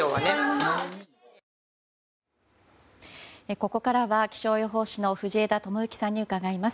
ここからは気象予報士の藤枝知行さんに伺います。